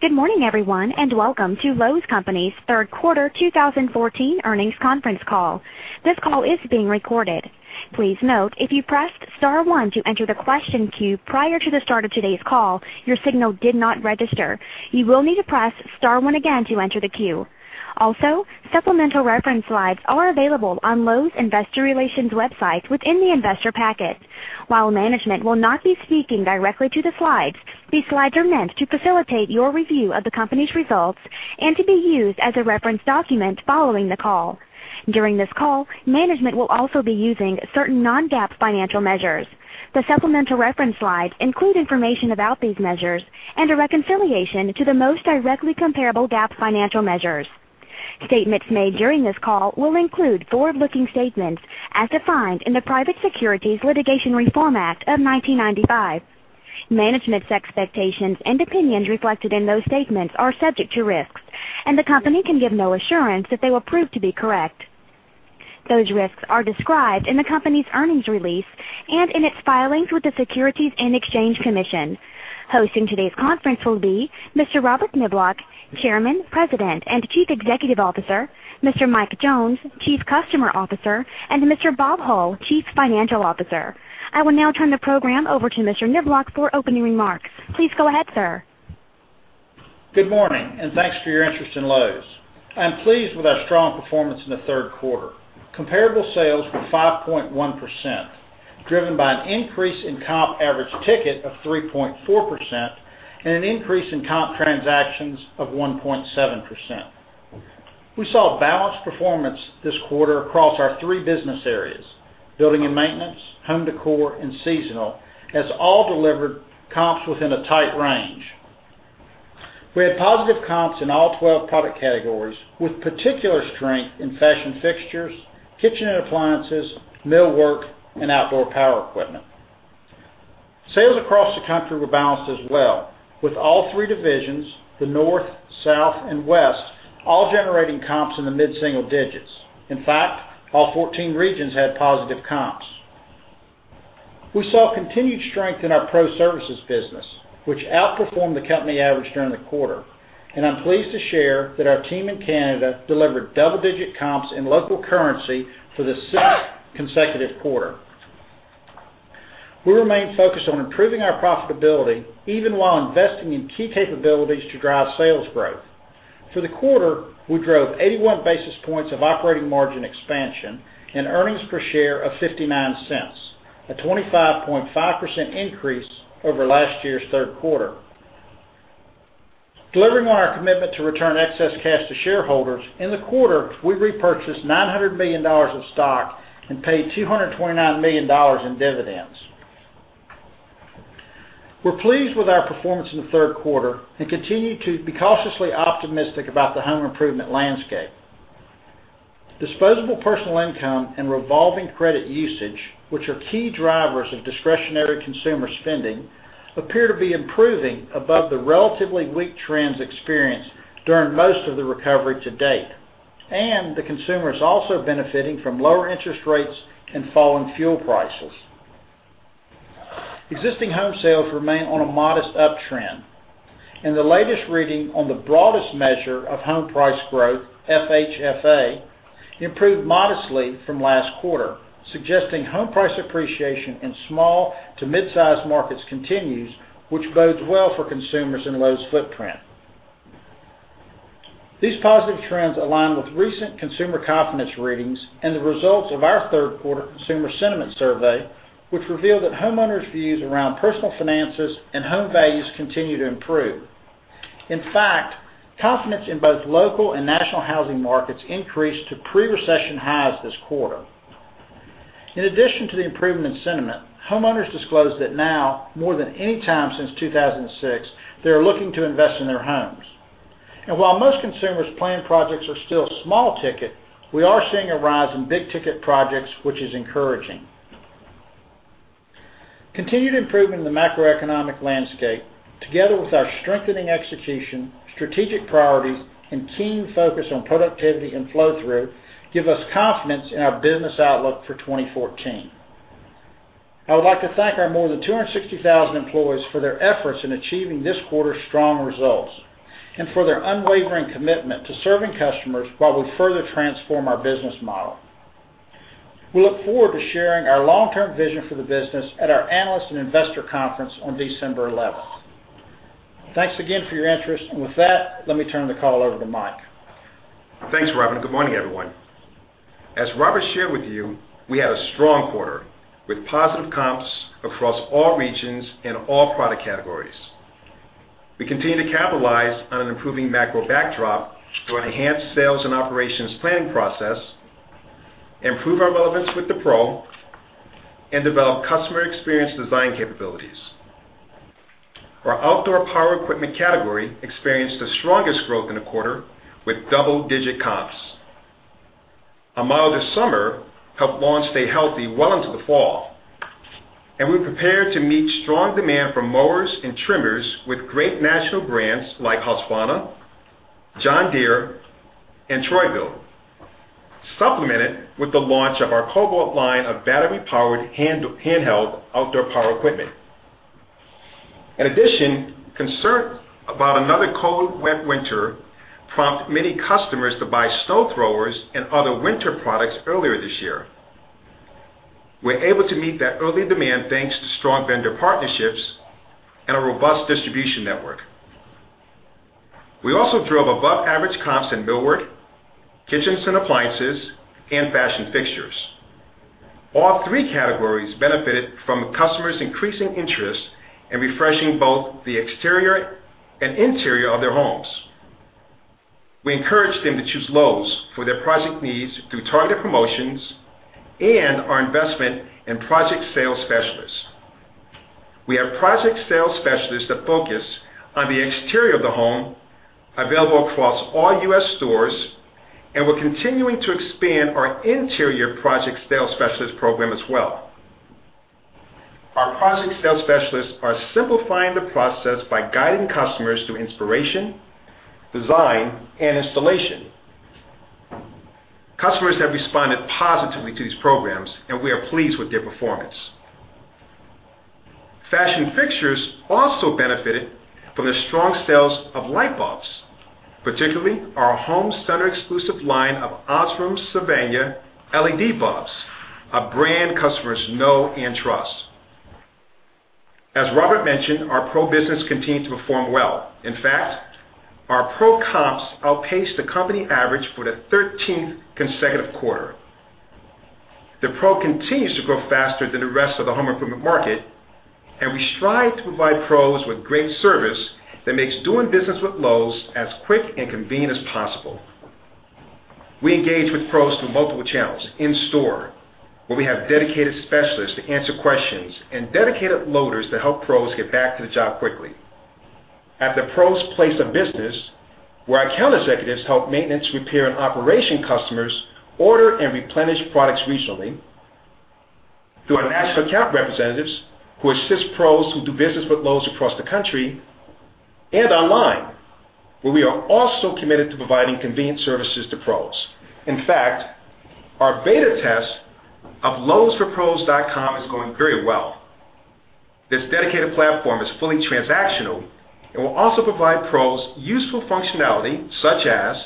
Good morning, everyone, and welcome to Lowe’s Companies third quarter 2014 earnings conference call. This call is being recorded. Please note, if you pressed star one to enter the question queue prior to the start of today’s call, your signal did not register. You will need to press star one again to enter the queue. Supplemental reference slides are available on Lowe’s investor relations website within the investor packet. While management will not be speaking directly to the slides, these slides are meant to facilitate your review of the company’s results and to be used as a reference document following the call. During this call, management will also be using certain non-GAAP financial measures. The supplemental reference slides include information about these measures and a reconciliation to the most directly comparable GAAP financial measures. Statements made during this call will include forward-looking statements as defined in the Private Securities Litigation Reform Act of 1995. Management’s expectations and opinions reflected in those statements are subject to risks, the company can give no assurance that they will prove to be correct. Those risks are described in the company’s earnings release and in its filings with the Securities and Exchange Commission. Hosting today’s conference will be Mr. Robert Niblock, Chairman, President, and Chief Executive Officer, Mr. Mike Jones, Chief Customer Officer, and Mr. Bob Hull, Chief Financial Officer. I will now turn the program over to Mr. Niblock for opening remarks. Please go ahead, sir. Good morning, thanks for your interest in Lowe’s. I am pleased with our strong performance in the third quarter. Comparable sales were 5.1%, driven by an increase in comp average ticket of 3.4% and an increase in comp transactions of 1.7%. We saw balanced performance this quarter across our three business areas, building and maintenance, home decor, and seasonal, as all delivered comps within a tight range. We had positive comps in all 12 product categories, with particular strength in fashion fixtures, kitchen and appliances, millwork, and outdoor power equipment. Sales across the country were balanced as well, with all three divisions, the North, South, and West, all generating comps in the mid-single digits. In fact, all 14 regions had positive comps. We saw continued strength in our pro services business, which outperformed the company average during the quarter. I'm pleased to share that our team in Canada delivered double-digit comps in local currency for the sixth consecutive quarter. We remain focused on improving our profitability, even while investing in key capabilities to drive sales growth. For the quarter, we drove 81 basis points of operating margin expansion and earnings per share of $0.59, a 25.5% increase over last year's third quarter. Delivering on our commitment to return excess cash to shareholders, in the quarter, we repurchased $900 million of stock and paid $229 million in dividends. We're pleased with our performance in the third quarter continue to be cautiously optimistic about the home improvement landscape. Disposable personal income and revolving credit usage, which are key drivers of discretionary consumer spending, appear to be improving above the relatively weak trends experienced during most of the recovery to date. The consumer is also benefiting from lower interest rates and falling fuel prices. Existing home sales remain on a modest uptrend, and the latest reading on the broadest measure of home price growth, FHFA, improved modestly from last quarter, suggesting home price appreciation in small to mid-size markets continues, which bodes well for consumers in Lowe's footprint. These positive trends align with recent consumer confidence readings and the results of our third quarter consumer sentiment survey, which revealed that homeowners' views around personal finances and home values continue to improve. In fact, confidence in both local and national housing markets increased to pre-recession highs this quarter. In addition to the improvement in sentiment, homeowners disclosed that now, more than any time since 2006, they are looking to invest in their homes. While most consumers plan projects are still small ticket, we are seeing a rise in big ticket projects, which is encouraging. Continued improvement in the macroeconomic landscape, together with our strengthening execution, strategic priorities, and keen focus on productivity and flow-through, give us confidence in our business outlook for 2014. I would like to thank our more than 260,000 employees for their efforts in achieving this quarter's strong results and for their unwavering commitment to serving customers while we further transform our business model. We look forward to sharing our long-term vision for the business at our Analyst and Investor Conference on December 11th. Thanks again for your interest. With that, let me turn the call over to Mike. Thanks, Robert. Good morning, everyone. As Robert shared with you, we had a strong quarter with positive comps across all regions and all product categories. We continue to capitalize on an improving macro backdrop through enhanced sales and operations planning process, improve our relevance with the pro, and develop customer experience design capabilities. Our outdoor power equipment category experienced the strongest growth in the quarter with double-digit comps. A milder summer helped lawns stay healthy well into the fall, and we are prepared to meet strong demand for mowers and trimmers with great national brands like Husqvarna, John Deere, and Troy-Bilt supplemented with the launch of our Kobalt line of battery-powered, handheld outdoor power equipment. In addition, concern about another cold, wet winter prompted many customers to buy snow throwers and other winter products earlier this year. We were able to meet that early demand thanks to strong vendor partnerships and a robust distribution network. We also drove above-average comps in millwork, kitchens and appliances, and fashion fixtures. All three categories benefited from customers' increasing interest in refreshing both the exterior and interior of their homes. We encouraged them to choose Lowe's for their project needs through targeted promotions and our investment in project sales specialists. We have project sales specialists that focus on the exterior of the home available across all U.S. stores, and we are continuing to expand our interior project sales specialist program as well. Our project sales specialists are simplifying the process by guiding customers through inspiration, design, and installation. Customers have responded positively to these programs, and we are pleased with their performance. Fashion fixtures also benefited from the strong sales of light bulbs, particularly our home center exclusive line of Osram Sylvania LED bulbs, a brand customers know and trust. As Robert mentioned, our pro business continued to perform well. In fact, our pro comps outpaced the company average for the 13th consecutive quarter. The pro continues to grow faster than the rest of the home improvement market, and we strive to provide pros with great service that makes doing business with Lowe's as quick and convenient as possible. We engage with pros through multiple channels in store, where we have dedicated specialists to answer questions and dedicated loaders to help pros get back to the job quickly. At the pros' place of business, where our account executives help maintenance, repair, and operation customers order and replenish products regionally through our national account representatives, who assist pros who do business with Lowe's across the country and online, where we are also committed to providing convenient services to pros. In fact, our beta test of lowesforpros.com is going very well. This dedicated platform is fully transactional and will also provide pros useful functionality such as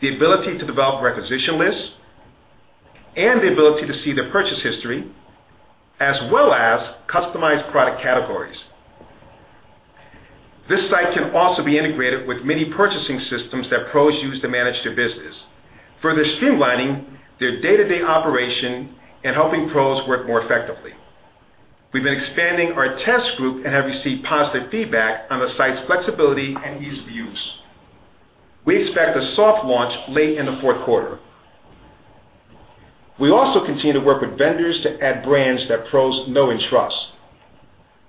the ability to develop requisition lists and the ability to see their purchase history, as well as customized product categories. This site can also be integrated with many purchasing systems that pros use to manage their business, further streamlining their day-to-day operation and helping pros work more effectively. We've been expanding our test group and have received positive feedback on the site's flexibility and ease of use. We expect a soft launch late in the fourth quarter. We also continue to work with vendors to add brands that pros know and trust.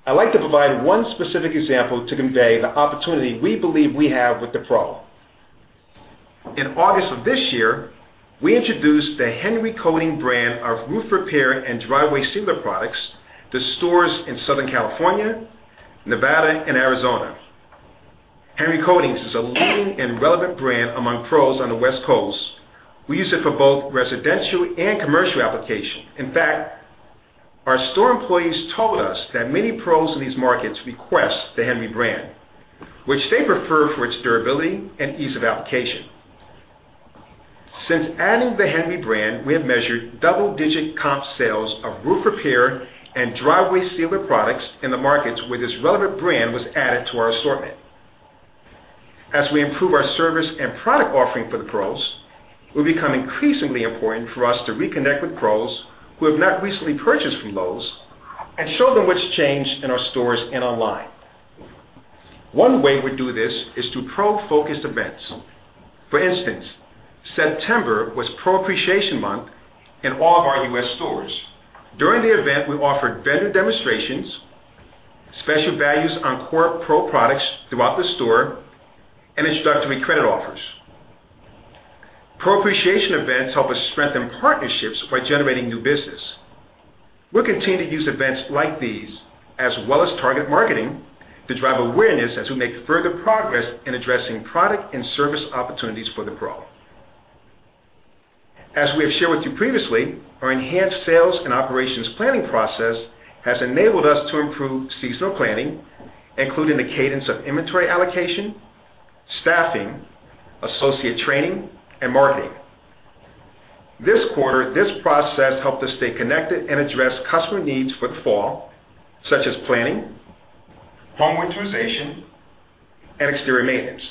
I'd like to provide one specific example to convey the opportunity we believe we have with the pro. In August of this year, we introduced the Henry brand of roof repair and driveway sealer products to stores in Southern California, Nevada, and Arizona. Henry is a leading and relevant brand among pros on the West Coast. We use it for both residential and commercial application. In fact, our store employees told us that many pros in these markets request the Henry brand, which they prefer for its durability and ease of application. Since adding the Henry brand, we have measured double-digit comp sales of roof repair and driveway sealer products in the markets where this relevant brand was added to our assortment. As we improve our service and product offering for the pros, it will become increasingly important for us to reconnect with pros who have not recently purchased from Lowe's and show them what's changed in our stores and online. One way we do this is through pro-focused events. For instance, September was Pro Appreciation Month in all of our U.S. stores. During the event, we offered vendor demonstrations, special values on core pro products throughout the store, and introductory credit offers. Pro Appreciation events help us strengthen partnerships by generating new business. We'll continue to use events like these, as well as targeted marketing, to drive awareness as we make further progress in addressing product and service opportunities for the pro. As we have shared with you previously, our enhanced sales and operations planning process has enabled us to improve seasonal planning, including the cadence of inventory allocation, staffing, associate training, and marketing. This quarter, this process helped us stay connected and address customer needs for the fall, such as planning, home winterization, and exterior maintenance.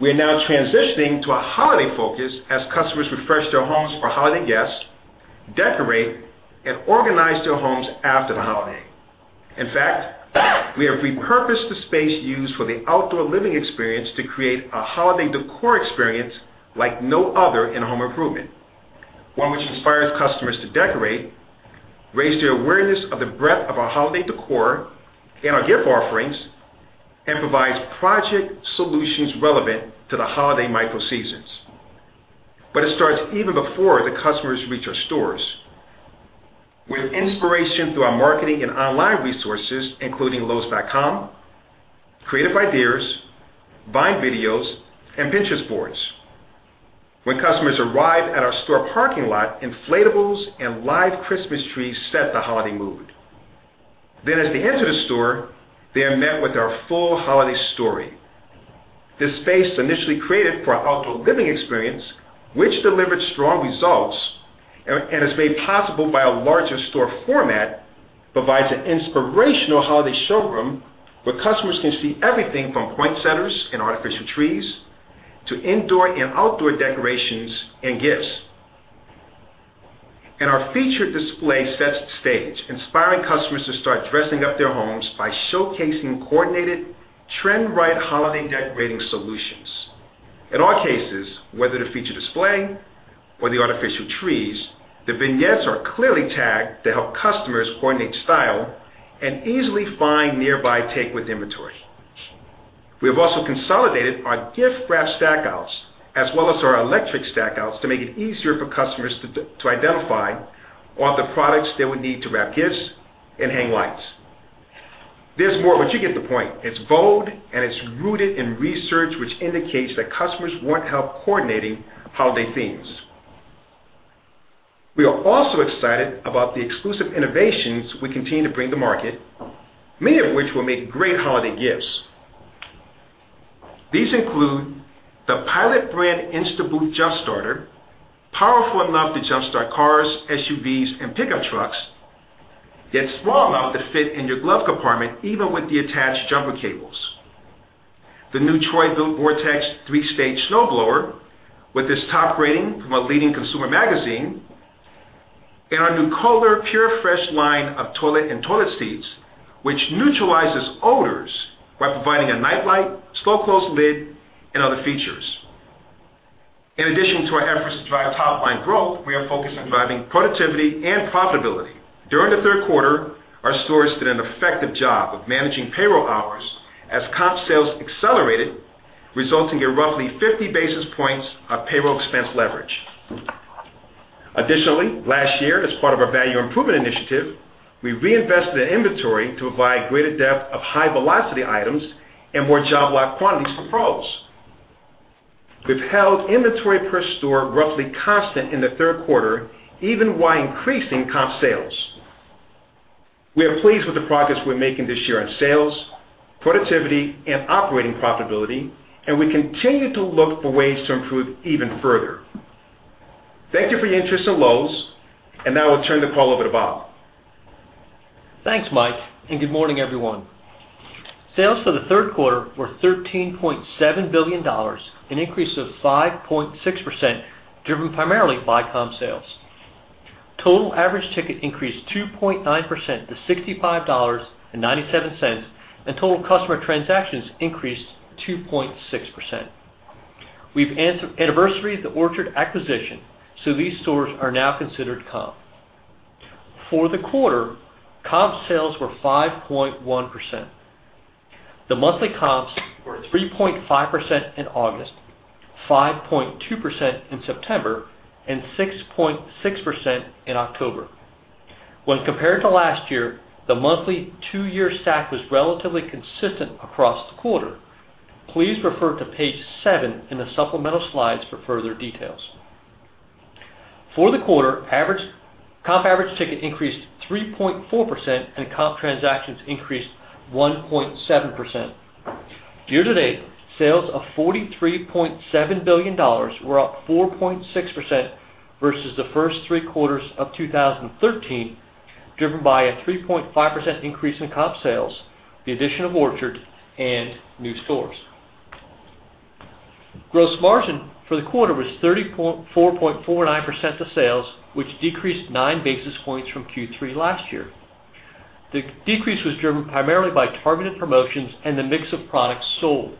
We are now transitioning to a holiday focus as customers refresh their homes for holiday guests, decorate, and organize their homes after the holiday. In fact, we have repurposed the space used for the outdoor living experience to create a holiday decor experience like no other in home improvement. One which inspires customers to decorate, raise their awareness of the breadth of our holiday decor and our gift offerings, and provides project solutions relevant to the holiday micro-seasons. It starts even before the customers reach our stores. With inspiration through our marketing and online resources, including lowes.com, creative ideas, Vine videos, and Pinterest boards. When customers arrive at our store parking lot, inflatables and live Christmas trees set the holiday mood. As they enter the store, they are met with our full holiday story. This space, initially created for our outdoor living experience, which delivered strong results and is made possible by a larger store format, provides an inspirational holiday showroom where customers can see everything from poinsettias and artificial trees to indoor and outdoor decorations and gifts. Our featured display sets the stage, inspiring customers to start dressing up their homes by showcasing coordinated trend-right holiday decorating solutions. In all cases, whether the featured display or the artificial trees, the vignettes are clearly tagged to help customers coordinate style and easily find nearby take-with inventory. We have also consolidated our gift wrap stackouts as well as our electric stackouts to make it easier for customers to identify all the products they would need to wrap gifts and hang lights. There is more, but you get the point. It is bold, and it is rooted in research which indicates that customers want help coordinating holiday themes. We are also excited about the exclusive innovations we continue to bring to market, many of which will make great holiday gifts. These include the Pilot brand InstaBoost Jump Starter, powerful enough to jump-start cars, SUVs, and pickup trucks, yet small enough to fit in your glove compartment even with the attached jumper cables. The new Troy-Bilt Vortex 3-stage snowblower with its top rating from a leading consumer magazine, and our new Kohler Purefresh line of toilet and toilet seats, which neutralizes odors by providing a nightlight, slow-close lid, and other features. In addition to our efforts to drive top-line growth, we are focused on driving productivity and profitability. During the third quarter, our stores did an effective job of managing payroll hours as comp sales accelerated, resulting in roughly 50 basis points of payroll expense leverage. Additionally, last year, as part of our value improvement initiative, we have reinvested in inventory to provide greater depth of high-velocity items and more job lot quantities for Pros. We have held inventory per store roughly constant in the third quarter, even while increasing comp sales. We are pleased with the progress we are making this year on sales, productivity, and operating profitability, and we continue to look for ways to improve even further. Thank you for your interest in Lowe's, and now I will turn the call over to Bob. Thanks, Mike. Good morning, everyone. Sales for the third quarter were $13.7 billion, an increase of 5.6%, driven primarily by comp sales. Total average ticket increased 2.9% to $65.97. Total customer transactions increased 2.6%. We've anniversaried the Orchard acquisition, so these stores are now considered comp. For the quarter, comp sales were 5.1%. The monthly comps were 3.5% in August, 5.2% in September, and 6.6% in October. When compared to last year, the monthly two-year stack was relatively consistent across the quarter. Please refer to page seven in the supplemental slides for further details. For the quarter, comp average ticket increased 3.4%. Comp transactions increased 1.7%. Year-to-date, sales of $43.7 billion were up 4.6% versus the first three quarters of 2013, driven by a 3.5% increase in comp sales, the addition of Orchard, and new stores. Gross margin for the quarter was 34.49% of sales, which decreased nine basis points from Q3 last year. The decrease was driven primarily by targeted promotions and the mix of products sold.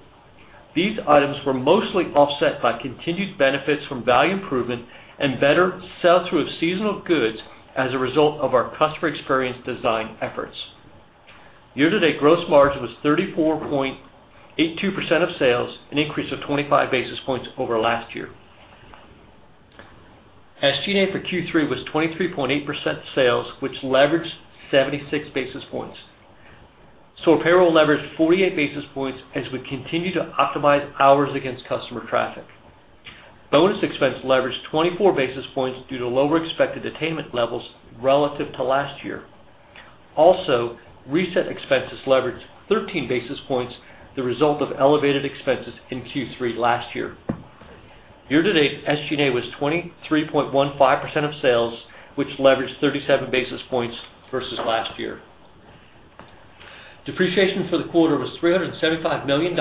These items were mostly offset by continued benefits from value improvement and better sell-through of seasonal goods as a result of our customer experience design efforts. Year-to-date gross margin was 34.82% of sales, an increase of 25 basis points over last year. SG&A for Q3 was 23.8% of sales, which leveraged 76 basis points. Store payroll leveraged 48 basis points as we continue to optimize hours against customer traffic. Bonus expense leveraged 24 basis points due to lower expected attainment levels relative to last year. Reset expenses leveraged 13 basis points, the result of elevated expenses in Q3 last year. Year-to-date, SG&A was 23.15% of sales, which leveraged 37 basis points versus last year. Depreciation for the quarter was $375 million,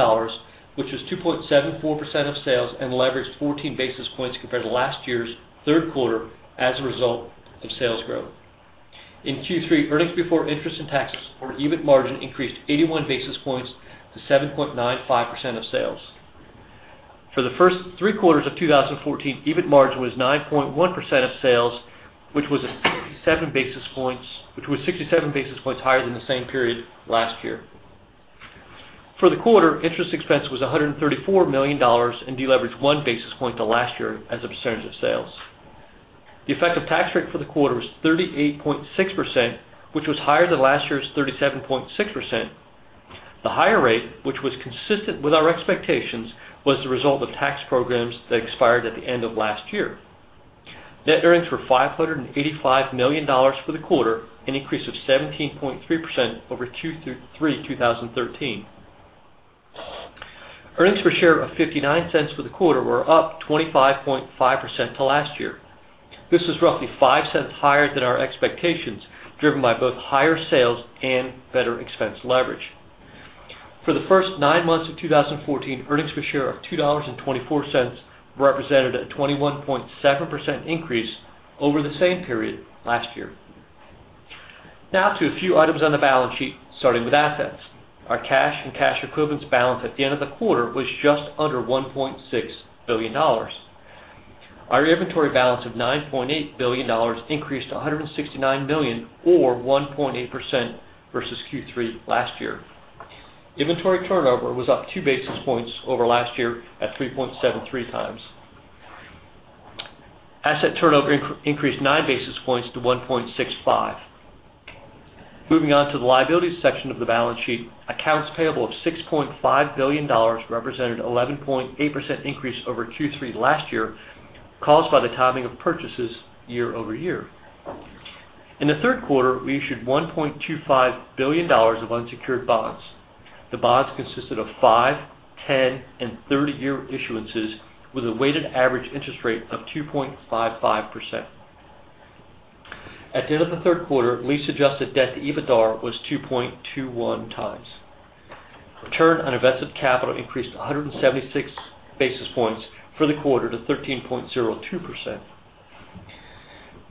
which was 2.74% of sales and leveraged 14 basis points compared to last year's third quarter as a result of sales growth. In Q3, earnings before interest and taxes or EBIT margin increased 81 basis points to 7.95% of sales. For the first three quarters of 2014, EBIT margin was 9.1% of sales, which was 67 basis points higher than the same period last year. For the quarter, interest expense was $134 million and deleveraged one basis point to last year as a percentage of sales. The effective tax rate for the quarter was 38.6%, which was higher than last year's 37.6%. The higher rate, which was consistent with our expectations, was the result of tax programs that expired at the end of last year. Net earnings were $585 million for the quarter, an increase of 17.3% over Q3 2013. Earnings per share of $0.59 for the quarter were up 25.5% to last year. This was roughly $0.05 higher than our expectations, driven by both higher sales and better expense leverage. For the first nine months of 2014, earnings per share of $2.24 represented a 21.7% increase over the same period last year. To a few items on the balance sheet, starting with assets. Our cash and cash equivalents balance at the end of the quarter was just under $1.6 billion. Our inventory balance of $9.8 billion increased to $169 million or 1.8% versus Q3 last year. Inventory turnover was up two basis points over last year at 3.73 times. Asset turnover increased nine basis points to 1.65. Moving on to the liabilities section of the balance sheet. Accounts payable of $6.5 billion represented 11.8% increase over Q3 last year, caused by the timing of purchases year-over-year. In the third quarter, we issued $1.25 billion of unsecured bonds. The bonds consisted of five, 10, and 30 year issuances with a weighted average interest rate of 2.55%. At the end of the third quarter, lease-adjusted debt to EBITDAR was 2.21 times. Return on invested capital increased to 176 basis points for the quarter to 13.02%.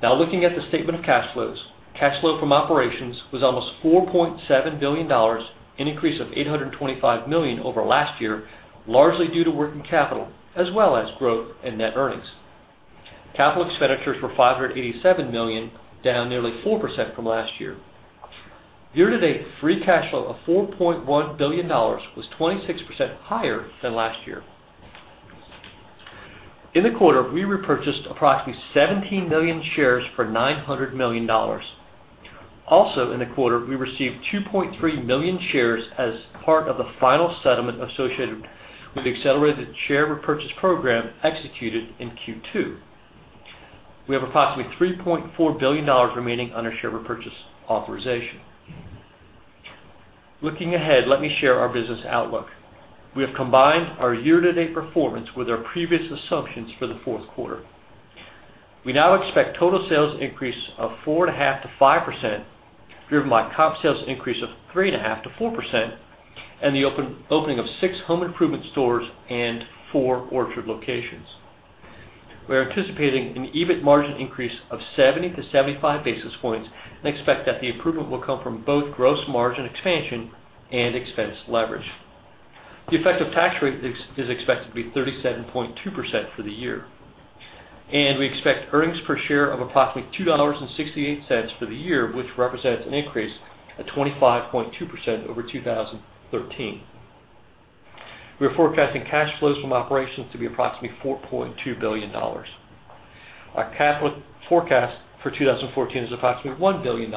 Now looking at the statement of cash flows. Cash flow from operations was almost $4.7 billion, an increase of $825 million over last year, largely due to working capital as well as growth in net earnings. Capital expenditures were $587 million, down nearly 4% from last year. Year-to-date free cash flow of $4.1 billion was 26% higher than last year. In the quarter, we repurchased approximately 17 million shares for $900 million. In the quarter, we received 2.3 million shares as part of the final settlement associated with the accelerated share repurchase program executed in Q2. We have approximately $3.4 billion remaining on our share repurchase authorization. Looking ahead, let me share our business outlook. We have combined our year-to-date performance with our previous assumptions for the fourth quarter. We now expect total sales increase of 4.5%-5%, driven by comp sales increase of 3.5%-4% and the opening of six home improvement stores and four Orchard locations. We are anticipating an EBIT margin increase of 70-75 basis points and expect that the improvement will come from both gross margin expansion and expense leverage. The effective tax rate is expected to be 37.2% for the year. We expect earnings per share of approximately $2.68 for the year, which represents an increase of 25.2% over 2013. We are forecasting cash flows from operations to be approximately $4.2 billion. Our capital forecast for 2014 is approximately $1 billion.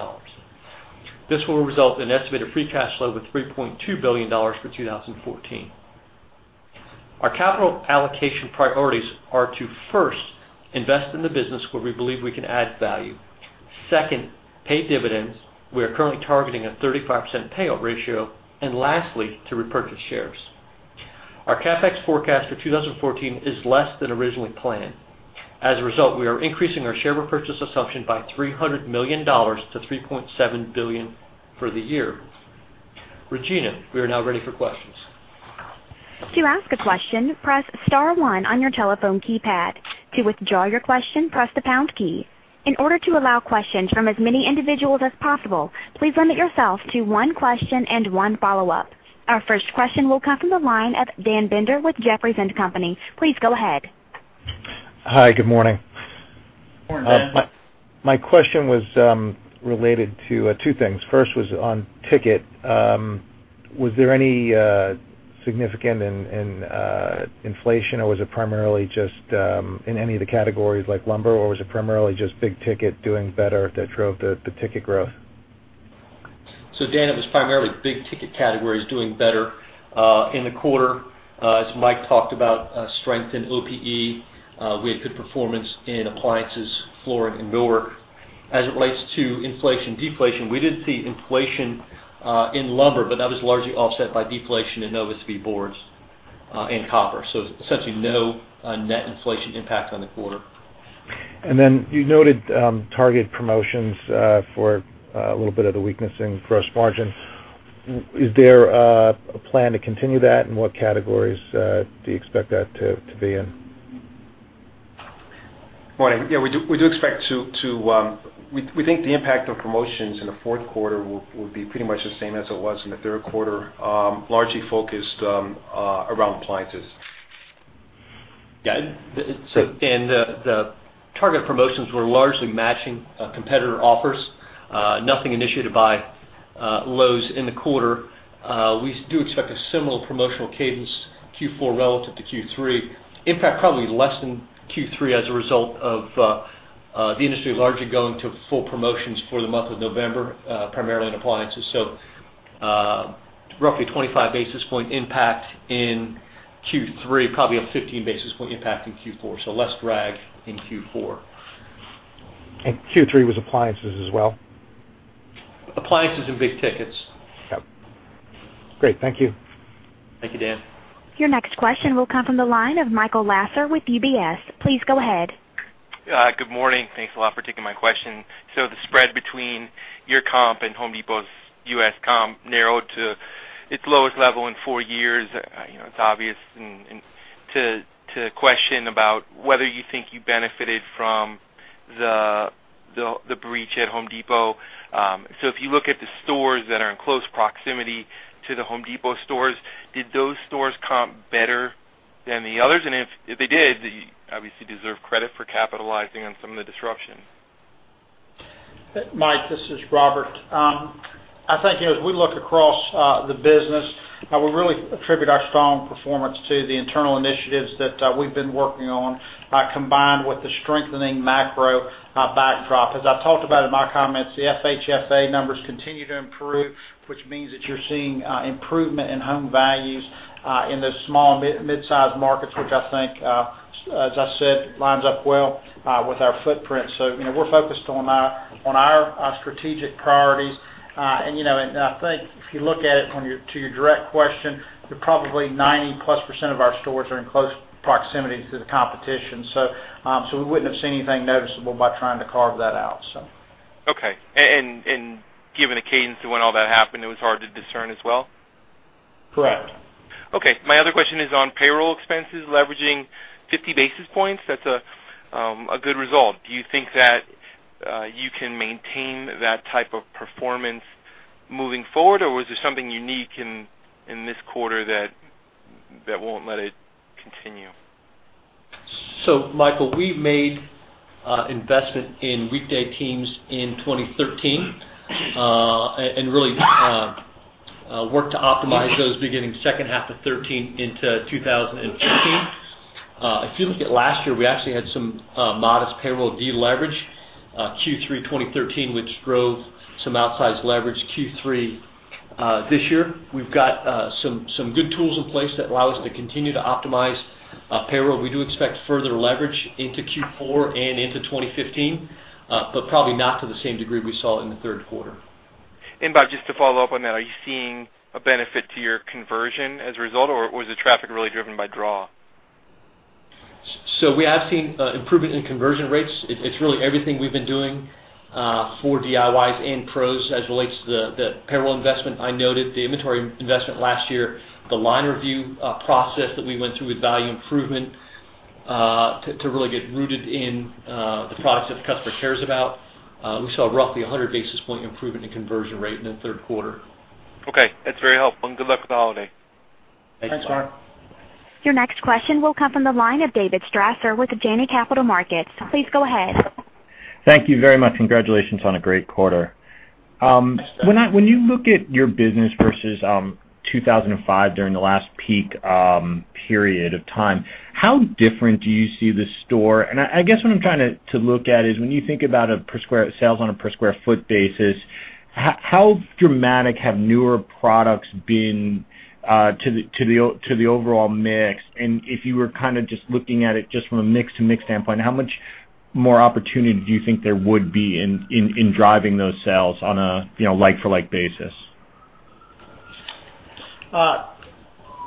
This will result in an estimated free cash flow of $3.2 billion for 2014. Our capital allocation priorities are to first invest in the business where we believe we can add value. Second, pay dividends. We are currently targeting a 35% payout ratio. Lastly, to repurchase shares. Our CapEx forecast for 2014 is less than originally planned. As a result, we are increasing our share repurchase assumption by $300 million to $3.7 billion for the year. Regina, we are now ready for questions. To ask a question, press *1 on your telephone keypad. To withdraw your question, press the # key. In order to allow questions from as many individuals as possible, please limit yourself to one question and one follow-up. Our first question will come from the line of Daniel Binder with Jefferies & Company. Please go ahead. Hi. Good morning. Morning, Dan. My question was related to two things. First was on ticket. Was there any significant inflation, or was it primarily just in any of the categories, like lumber, or was it primarily just big ticket doing better that drove the ticket growth? Dan, it was primarily big ticket categories doing better. In the quarter, as Mike talked about, strength in OPE. We had good performance in appliances, flooring, and door. As it relates to inflation, deflation, we did see inflation in lumber, but that was largely offset by deflation in OSB boards and copper. Essentially no net inflation impact on the quarter. You noted targeted promotions for a little bit of the weakness in gross margin. Is there a plan to continue that? What categories do you expect that to be in? Morning. Yeah, we think the impact of promotions in the fourth quarter will be pretty much the same as it was in the third quarter. Largely focused around appliances. Yeah. The target promotions were largely matching competitor offers. Nothing initiated by Lowe’s in the quarter. We do expect a similar promotional cadence Q4 relative to Q3. In fact, probably less than Q3 as a result of the industry largely going to full promotions for the month of November, primarily in appliances. Roughly 25 basis point impact in Q3, probably a 15 basis point impact in Q4. Less drag in Q4. Q3 was appliances as well? Appliances and big tickets. Okay. Great. Thank you. Thank you, Dan. Your next question will come from the line of Michael Lasser with UBS. Please go ahead. Good morning. Thanks a lot for taking my question. The spread between your comp and The Home Depot's U.S. comp narrowed to its lowest level in 4 years. It’s obvious to question about whether you think you benefited from the breach at The Home Depot. If you look at the stores that are in close proximity to The Home Depot stores, did those stores comp better than the others? If they did, you obviously deserve credit for capitalizing on some of the disruption. Mike, this is Robert. I think as we look across the business, we really attribute our strong performance to the internal initiatives that we’ve been working on, combined with the strengthening macro backdrop. As I talked about in my comments, the FHFA numbers continue to improve, which means that you’re seeing improvement in home values in those small midsize markets, which I think, as I said, lines up well with our footprint. We’re focused on our strategic priorities. I think if you look at it to your direct question, probably 90-plus% of our stores are in close proximity to the competition. We wouldn’t have seen anything noticeable by trying to carve that out. Okay. Given the cadence of when all that happened, it was hard to discern as well? Correct. Okay. My other question is on payroll expenses leveraging 50 basis points. That’s a good result. Do you think that you can maintain that type of performance moving forward, or was there something unique in this quarter that won’t let it continue? Michael, we've made investment in weekday teams in 2013, really worked to optimize those beginning second half of 2013 into 2015. If you look at last year, we actually had some modest payroll deleverage, Q3 2013, which drove some outsized leverage Q3 this year. We've got some good tools in place that allow us to continue to optimize payroll. We do expect further leverage into Q4 and into 2015, probably not to the same degree we saw in the third quarter. Bob, just to follow up on that, are you seeing a benefit to your conversion as a result, or was the traffic really driven by draw? We have seen improvement in conversion rates. It's really everything we've been doing for DIYs and pros as relates to the payroll investment I noted, the inventory investment last year, the line review process that we went through with value improvement to really get rooted in the products that the customer cares about. We saw roughly a 100 basis point improvement in conversion rate in the third quarter. Okay. That's very helpful, good luck with the holiday. Thanks, Mike. Thanks, Mike. Your next question will come from the line of David Strasser with Janney Capital Markets. Please go ahead. Thank you very much. Congratulations on a great quarter. When you look at your business versus 2005 during the last peak period of time, how different do you see the store? I guess what I’m trying to look at is when you think about sales on a per square foot basis, how dramatic have newer products been to the overall mix? If you were just looking at it just from a mix to mix standpoint, how much more opportunity do you think there would be in driving those sales on a like-for-like basis?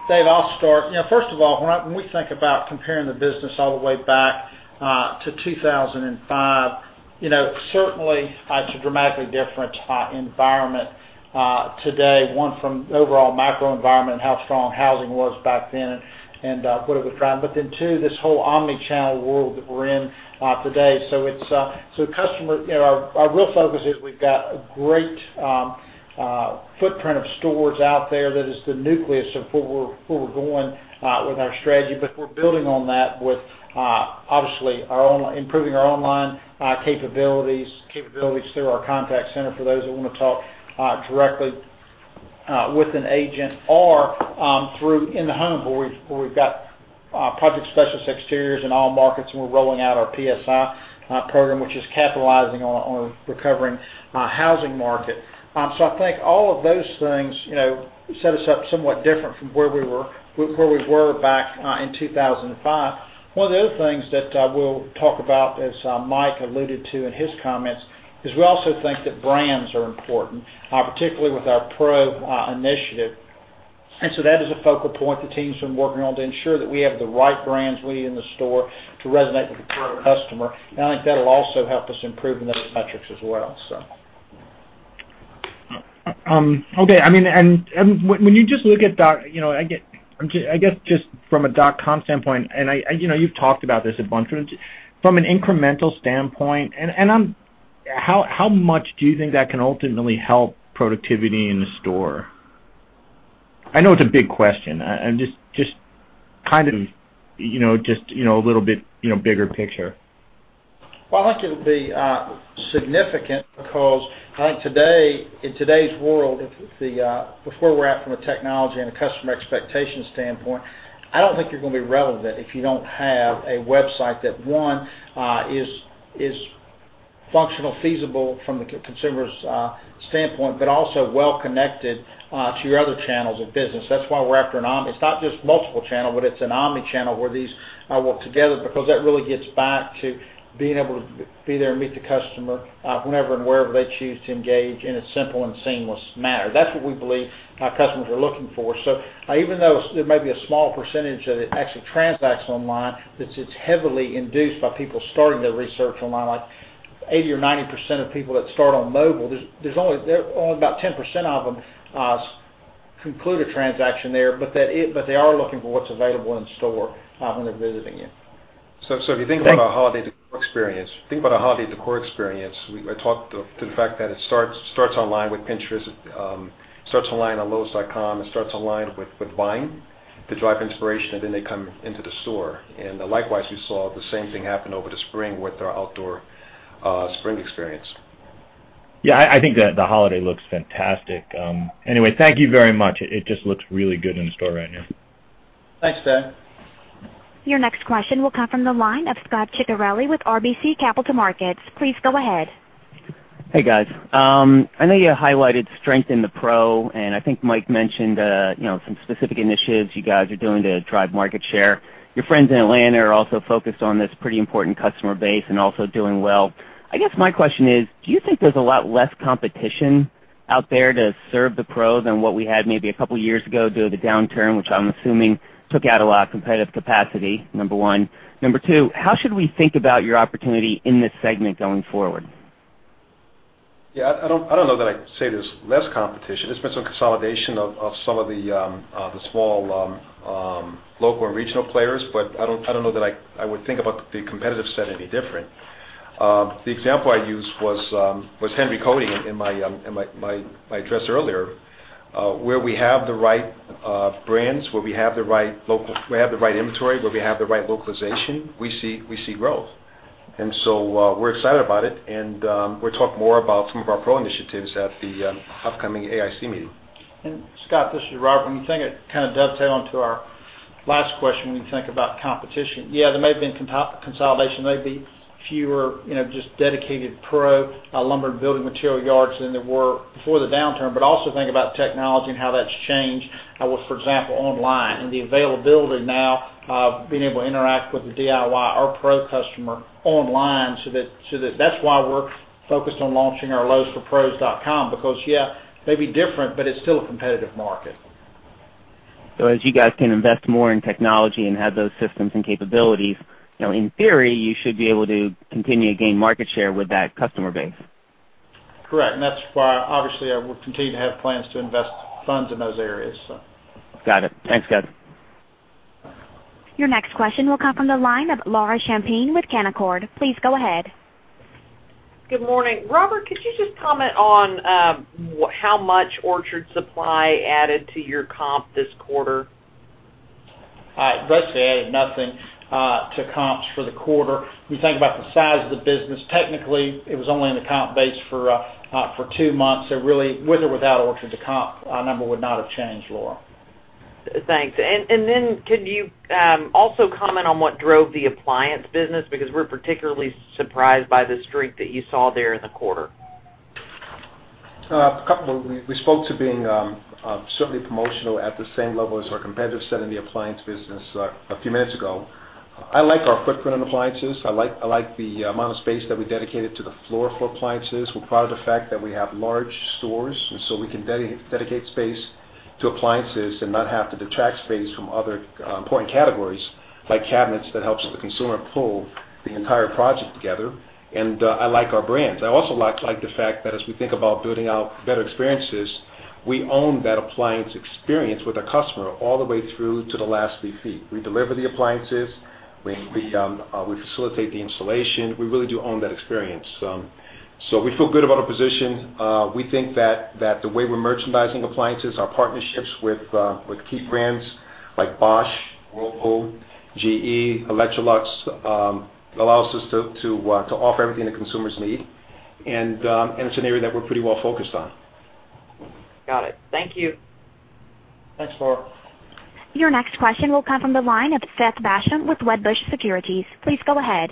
David, I’ll start. First of all, when we think about comparing the business all the way back to 2005, certainly it’s a dramatically different environment today. One from the overall macro environment and how strong housing was back then and what it was driving. Two, this whole omni-channel world that we’re in today. Our real focus is we’ve got a great footprint of stores out there that is the nucleus of where we’re going with our strategy. We’re building on that with obviously improving our online capabilities through our contact center for those that want to talk directly with an agent or through in the home where we’ve got project specialists, exteriors in all markets, and we’re rolling out our PSI program, which is capitalizing on recovering housing market. I think all of those things set us up somewhat different from where we were back in 2005. One of the other things that we’ll talk about, as Mike alluded to in his comments, is we also think that brands are important, particularly with our pro initiative. That is a focal point the team’s been working on to ensure that we have the right brands we need in the store to resonate with the pro customer. I think that’ll also help us improve in those metrics as well. Okay. When you just look at, I guess just from a dot com standpoint, you’ve talked about this a bunch, but from an incremental standpoint, how much do you think that can ultimately help productivity in the store? I know it’s a big question. Just a little bit bigger picture. I think it will be significant because in today’s world, with where we’re at from a technology and a customer expectation standpoint, I don’t think you’re going to be relevant if you don’t have a website that, one, is functional, feasible from the consumer’s standpoint, but also well-connected to your other channels of business. That’s why we’re after an omni. It’s not just multiple channel, it’s an omni channel where these work together because that really gets back to being able to be there and meet the customer whenever and wherever they choose to engage in a simple and seamless manner. That’s what we believe our customers are looking for. Even though it may be a small percentage that it actually transacts online, that it's heavily induced by people starting their research online, like 80% or 90% of people that start on mobile, there's only about 10% of them conclude a transaction there. They are looking for what's available in store when they're visiting you. If you think about our holiday decor experience, we talked to the fact that it starts online with Pinterest, it starts online on lowes.com, it starts online with Vine to drive inspiration, and then they come into the store. Likewise, we saw the same thing happen over the spring with our outdoor spring experience. Yeah, I think that the holiday looks fantastic. Anyway, thank you very much. It just looks really good in store right now. Thanks, Dan. Your next question will come from the line of Scot Ciccarelli with RBC Capital Markets. Please go ahead. Hey, guys. I know you highlighted strength in the pro, and I think Mike mentioned some specific initiatives you guys are doing to drive market share. Your friends in Atlanta are also focused on this pretty important customer base and also doing well. I guess my question is, do you think there's a lot less competition out there to serve the pros than what we had maybe a couple of years ago due to the downturn, which I'm assuming took out a lot of competitive capacity, number one? Number two, how should we think about your opportunity in this segment going forward? I don't know that I'd say there's less competition. There's been some consolidation of some of the small local and regional players, but I don't know that I would think about the competitive set any different. The example I used was Henry Cody in my address earlier. Where we have the right brands, where we have the right inventory, where we have the right localization, we see growth. We're excited about it, and we'll talk more about some of our pro initiatives at the upcoming AIC meeting. Scot, this is Robert. When you think, it kind of dovetails onto our last question, when you think about competition. There may have been consolidation, there may be fewer just dedicated pro lumber and building material yards than there were before the downturn, but also think about technology and how that's changed with, for example, online and the availability now of being able to interact with the DIY or pro customer online. That's why we're focused on launching our lowesforpros.com, because it may be different, but it's still a competitive market. As you guys can invest more in technology and have those systems and capabilities, in theory, you should be able to continue to gain market share with that customer base. Correct. That's why obviously we continue to have plans to invest funds in those areas. Got it. Thanks, guys. Your next question will come from the line of Laura Champine with Canaccord. Please go ahead. Good morning. Robert, could you just comment on how much Orchard Supply added to your comp this quarter? I'd say added nothing to comps for the quarter. If you think about the size of the business, technically it was only in the comp base for two months. Really, with or without Orchard, the comp number would not have changed, Laura. Thanks. Could you also comment on what drove the appliance business? We're particularly surprised by the strength that you saw there in the quarter. We spoke to being certainly promotional at the same level as our competitive set in the appliance business a few minutes ago. I like our footprint on appliances. I like the amount of space that we dedicated to the floor for appliances. We're proud of the fact that we have large stores, so we can dedicate space to appliances and not have to detract space from other important categories like cabinets that helps the consumer pull the entire project together. I like our brands. I also like the fact that as we think about building out better experiences, we own that appliance experience with a customer all the way through to the last few feet. We deliver the appliances, we facilitate the installation. We really do own that experience. We feel good about our position. We think that the way we're merchandising appliances, our partnerships with key brands like Bosch, Whirlpool, GE, Electrolux allows us to offer everything the consumers need, and it's an area that we're pretty well focused on. Got it. Thank you. Thanks, Laura. Your next question will come from the line of Seth Basham with Wedbush Securities. Please go ahead.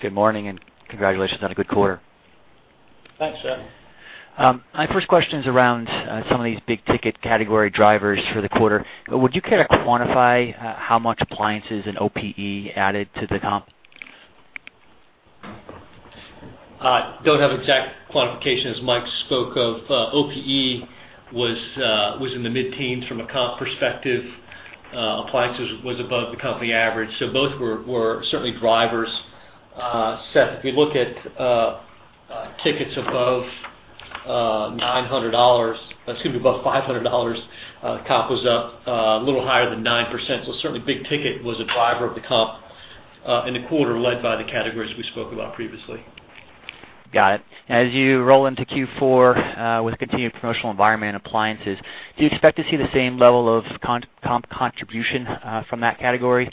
Good morning, congratulations on a good quarter. Thanks, Seth. My first question is around some of these big-ticket category drivers for the quarter. Would you care to quantify how much appliances and OPE added to the comp? Don't have exact quantification. As Mike spoke of, OPE was in the mid-teens from a comp perspective. Appliances was above the company average. Both were certainly drivers. Seth, if you look at tickets above $500, comp was up a little higher than 9%. Certainly big ticket was a driver of the comp in the quarter led by the categories we spoke about previously. Got it. As you roll into Q4 with continued promotional environment in appliances, do you expect to see the same level of comp contribution from that category?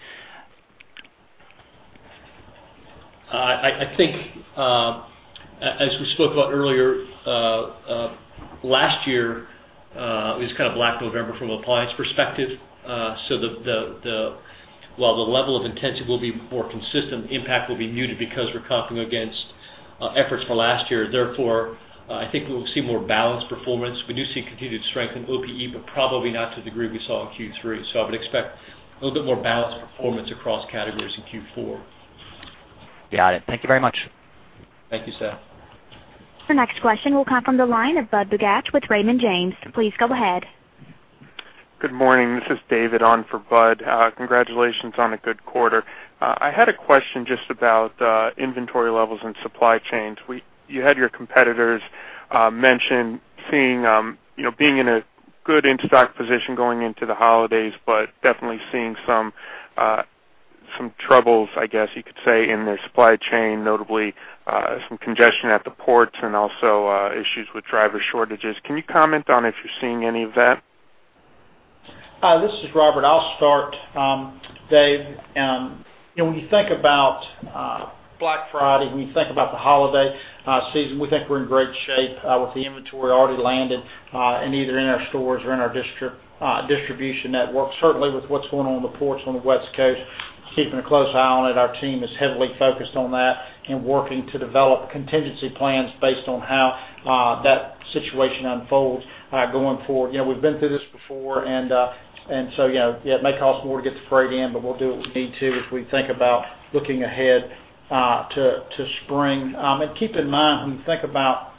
I think, as we spoke about earlier, last year was kind of Black November from appliance perspective. While the level of intensity will be more consistent, the impact will be muted because we're comping against efforts for last year. I think we will see more balanced performance. We do see continued strength in OPE, but probably not to the degree we saw in Q3. I would expect a little bit more balanced performance across categories in Q4. Got it. Thank you very much. Thank you, Seth. The next question will come from the line of Budd Bugatch with Raymond James. Please go ahead. Good morning. This is David on for Budd. Congratulations on a good quarter. I had a question just about inventory levels and supply chains. You had your competitors mention being in a good in-stock position going into the holidays, definitely seeing some troubles, I guess you could say, in their supply chain, notably some congestion at the ports and also issues with driver shortages. Can you comment on if you're seeing any of that? This is Robert. I'll start, Dave. When we think about Black Friday, when we think about the holiday season, we think we're in great shape with the inventory already landed and either in our stores or in our distribution network. Certainly, with what's going on on the ports on the West Coast, keeping a close eye on it. Our team is heavily focused on that and working to develop contingency plans based on how that situation unfolds going forward. We've been through this before it may cost more to get the freight in, but we'll do what we need to as we think about looking ahead to spring. Keep in mind, when you think about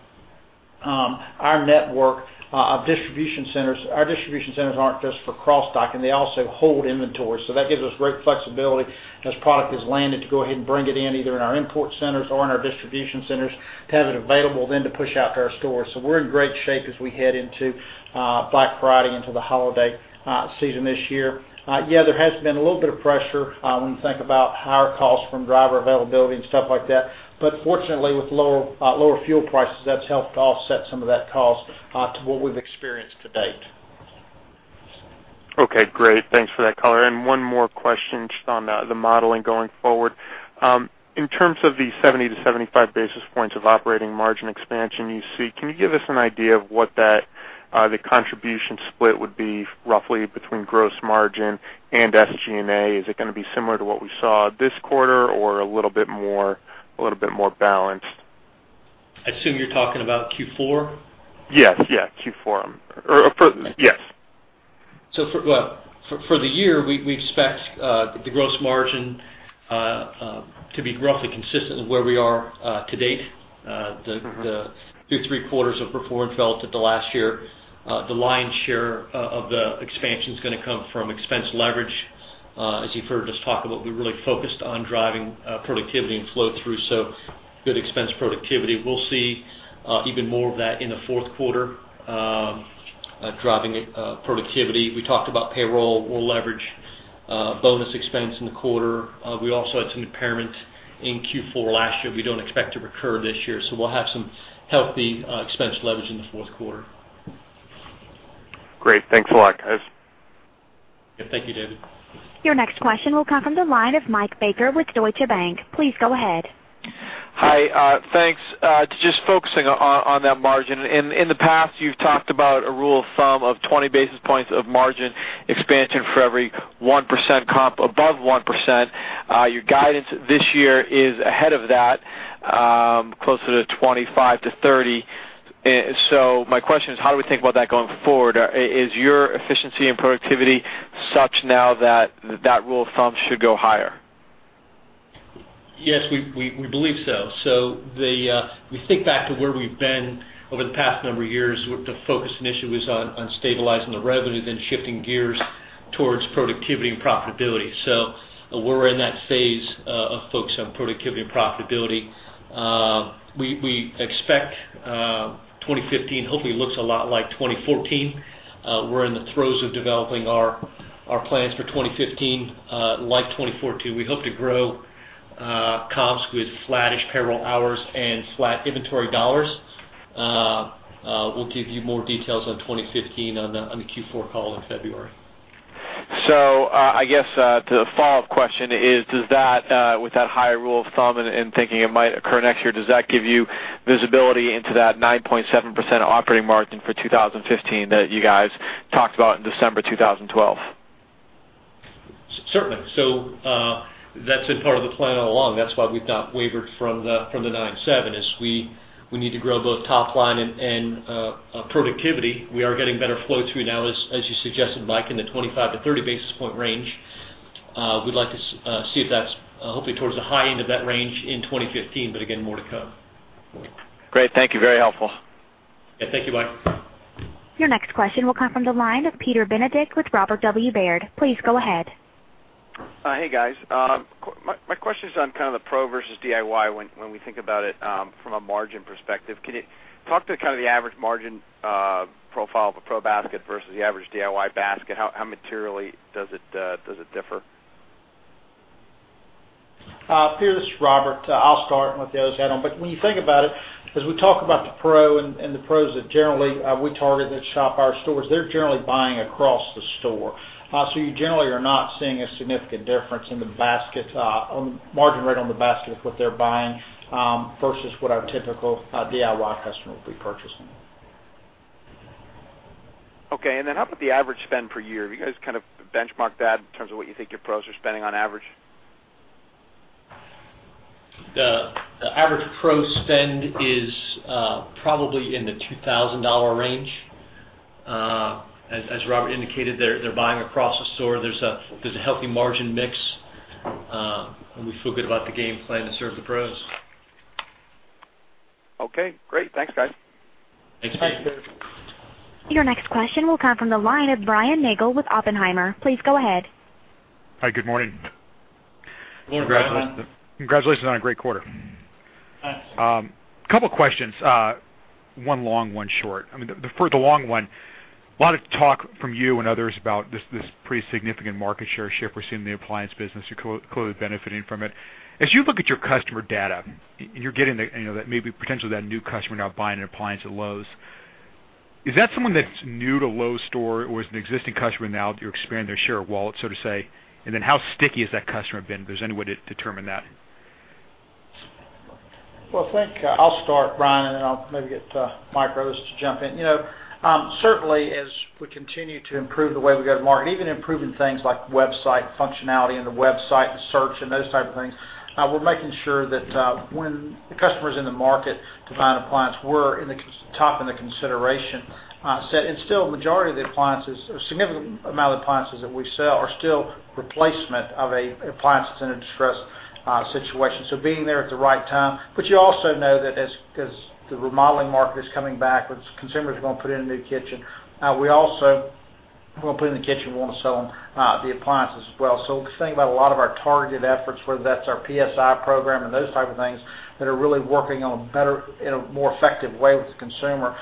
our network of distribution centers, our distribution centers aren't just for cross-docking. They also hold inventory. That gives us great flexibility as product is landed to go ahead and bring it in, either in our import centers or in our distribution centers to have it available then to push out to our stores. We're in great shape as we head into Black Friday into the holiday season this year. Yeah, there has been a little bit of pressure when you think about higher costs from driver availability and stuff like that. Fortunately, with lower fuel prices that's helped to offset some of that cost to what we've experienced to date. Okay, great. Thanks for that color. One more question just on the modeling going forward. In terms of the 70 to 75 basis points of operating margin expansion you see, can you give us an idea of what the contribution split would be roughly between gross margin and SG&A? Is it going to be similar to what we saw this quarter or a little bit more balanced? I assume you're talking about Q4? Yes, Q4. Yes. For the year, we expect the gross margin to be roughly consistent with where we are to date. The three quarters have performed well to the last year. The lion's share of the expansion is going to come from expense leverage. As you've heard us talk about, we really focused on driving productivity and flow through, good expense productivity. We'll see even more of that in the fourth quarter, driving productivity. We talked about payroll. We'll leverage bonus expense in the quarter. We also had some impairments in Q4 last year we don't expect to recur this year, so we'll have some healthy expense leverage in the fourth quarter. Great. Thanks a lot, guys. Thank you, David. Your next question will come from the line of Mike Baker with Deutsche Bank. Please go ahead. Hi. Thanks. Just focusing on that margin. In the past, you've talked about a rule of thumb of 20 basis points of margin expansion for every 1% comp above 1%. Your guidance this year is ahead of that, closer to 25 basis points-30 basis points. My question is, how do we think about that going forward? Is your efficiency and productivity such now that that rule of thumb should go higher? Yes, we believe so. We think back to where we've been over the past number of years. The focus initially was on stabilizing the revenue, then shifting gears towards productivity and profitability. We're in that phase of focus on productivity and profitability. We expect 2015 hopefully looks a lot like 2014. We're in the throes of developing our plans for 2015, like 2014. We hope to grow comps with flattish payroll hours and flat inventory dollars. We'll give you more details on 2015 on the Q4 call in February. I guess the follow-up question is, with that higher rule of thumb and thinking it might occur next year, does that give you visibility into that 9.7% operating margin for 2015 that you guys talked about in December 2012? Certainly. That's been part of the plan all along. That's why we've not wavered from the 9.7%, is we need to grow both top line and productivity. We are getting better flow through now as you suggested, Mike, in the 25 to 30 basis point range. We'd like to see if that's hopefully towards the high end of that range in 2015, but again, more to come. Great. Thank you. Very helpful. Yeah. Thank you, Mike. Your next question will come from the line of Peter Benedict with Robert W. Baird. Please go ahead. Hey, guys. My question is on the pro versus DIY when we think about it from a margin perspective. Can you talk through the average margin profile of a pro basket versus the average DIY basket? How materially does it differ? Pierce, this is Robert. I'll start and let the others add on. When you think about it, as we talk about the pro and the pros that generally we target that shop our stores, they're generally buying across the store. You generally are not seeing a significant difference in the margin rate on the basket of what they're buying versus what our typical DIY customer would be purchasing. How about the average spend per year? Have you guys benchmarked that in terms of what you think your pros are spending on average? The average pro spend is probably in the $2,000 range. As Robert indicated, they're buying across the store. There's a healthy margin mix. We feel good about the game plan to serve the pros. Okay, great. Thanks, guys. Thanks, Pierce. Thanks, Pierce. Your next question will come from the line of Brian Nagel with Oppenheimer. Please go ahead. Hi, good morning. Good morning. Congratulations on a great quarter. Thanks. A couple questions. One long, one short. For the long one, a lot of talk from you and others about this pretty significant market share shift we're seeing in the appliance business. You're clearly benefiting from it. As you look at your customer data, you're getting that maybe potentially that new customer now buying an appliance at Lowe's, is that someone that's new to Lowe's store, or is it an existing customer now you're expanding their share of wallet, so to say? How sticky has that customer been? If there's any way to determine that. Well, I think I'll start, Brian, I'll maybe get Mike or others to jump in. Certainly, as we continue to improve the way we go to market, even improving things like website functionality and the website search and those type of things, we're making sure that when the customer is in the market to buy an appliance, we're top in the consideration set. Still, a majority of the appliances, or a significant amount of the appliances that we sell are still replacement of appliances in a distressed situation. Being there at the right time. You also know that as the remodeling market is coming back, consumers are going to put in a new kitchen. We also want to put it in the kitchen, we want to sell them the appliances as well. If you think about a lot of our targeted efforts, whether that's our PSI program or those type of things that are really working in a more effective way with the consumer